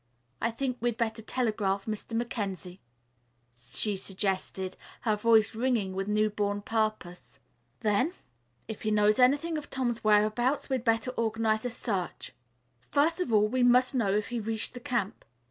"I think we had better telegraph Mr. Mackenzie," she suggested, her voice ringing with new born purpose. "Then if he knows nothing of Tom's whereabouts we had better organize a search. First of all we must know if he reached the camp.